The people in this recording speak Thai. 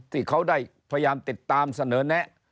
ที่เขาได้พยายามติดตามเสนอแนะ